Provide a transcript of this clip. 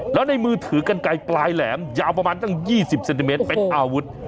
แล้วในมือถือกันไกลปลายแหลมยาวประมาณตั้ง๒๐เซนติเมตรเป็นอาวุธ